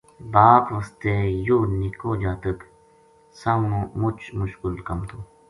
باپ واسطے یوہ نِکو جاتک سامنو مُچ مشکل کَم تھو